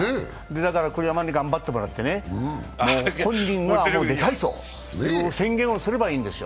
だから栗山に頑張ってもらってね、本人が出たいと、宣言をすればいいんですよ。